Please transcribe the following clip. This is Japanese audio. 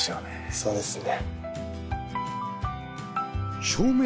そうですね。